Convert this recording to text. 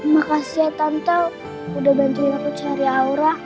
makasih ya tante udah bantuin aku cari aura